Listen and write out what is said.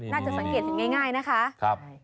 น่าจะสังเกตถึงง่ายนะคะ